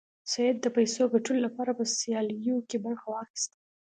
سید د پیسو ګټلو لپاره په سیالیو کې برخه واخیسته.